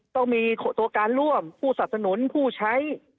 ต้องมีตัวการร่วมผู้สนับสนุนผู้ใช้